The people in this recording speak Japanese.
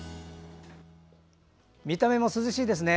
見た目も涼しいですね。